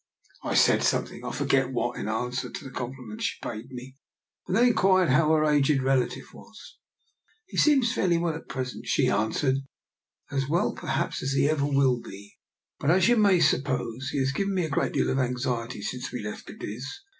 I said something, I forget what, in answer to the compliment she paid me, and then in quired how her aged relative was. " He seems fairly well at present," she answered. " As well, perhaps, as he ever will be. But, as you may suppose, he has given me a great deal of anxiety since we left Cadiz.